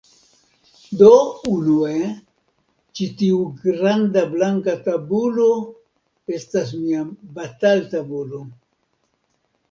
Do, unue, ĉi tiu granda blanka tabulo estas mia bataltabulo